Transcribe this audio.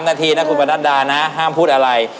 นาทีนะคุณประนัดดานะห้ามพูดอะไร